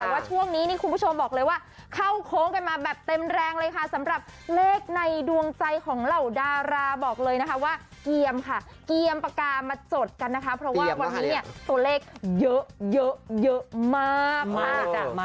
แต่ว่าช่วงนี้นี่คุณผู้ชมบอกเลยว่าเข้าโค้งกันมาแบบเต็มแรงเลยค่ะสำหรับเลขในดวงใจของเหล่าดาราบอกเลยนะคะว่าเกียมค่ะเกียมปากกามาจดกันนะคะเพราะว่าวันนี้เนี่ยตัวเลขเยอะเยอะมากค่ะ